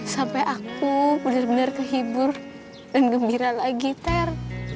sampai aku bener bener kehibur dan gembira lagi ter